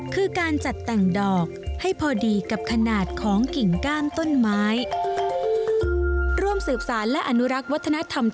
คือการจัดแต่งดอกให้พอดีกับขนาดของกิ่งก้านต้นไม้